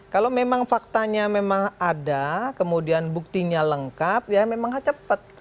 kalau memang faktanya memang ada kemudian buktinya lengkap ya memang cepat